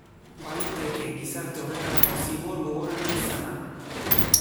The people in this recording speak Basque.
Baliteke gizarte horretarako zigor gogorrena izana.